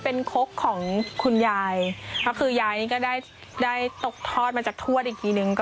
เป็นคกของคุณยายก็คือยายนี่ก็ได้ตกทอดมาจากทวดอีกทีนึง